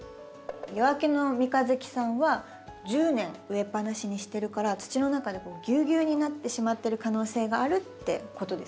夜明けの三日月さんは１０年植えっぱなしにしてるから土の中でぎゅうぎゅうになってしまってる可能性があるってことですね。